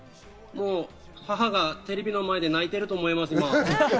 母がテレビの前で今泣いてると思います。